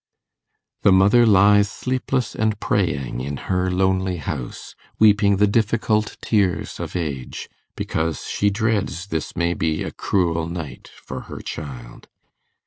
The mother lies sleepless and praying in her lonely house, weeping the difficult tears of age, because she dreads this may be a cruel night for her child.